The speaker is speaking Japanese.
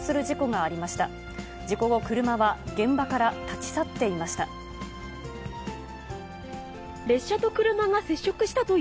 事故後、車は現場から立ち去っていました。